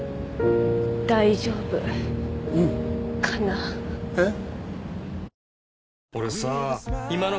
大丈夫うんかなえっ？